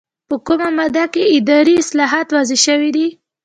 په کومه ماده کې اداري اصلاحات واضح شوي دي؟